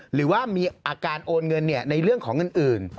หรือว่ามีอาการโอนเงินในเรื่องของเงินอื่น